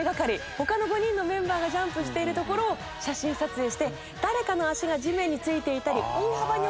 他の５人のメンバーがジャンプしているところを写真撮影して誰かの足が地面に着いていたり大幅に遅れた場合はアウト。